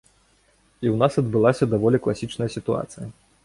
І ў нас адбылася даволі класічная сітуацыя.